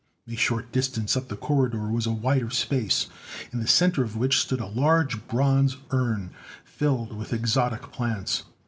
A short distance up the corridor was a wider space, in the center of which stood a large bronze urn filled with exotic plants.